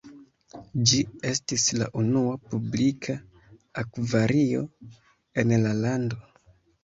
Ĝi estis la unua publika akvario en la lando.